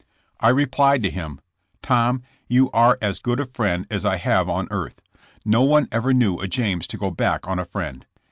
'* I replied to him :*' Tom you are as good a friend as I have on earth. No one ever knew a James to go back on a friend.